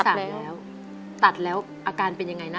ตัดแล้วตัดแล้วอาการเป็นยังไงนะ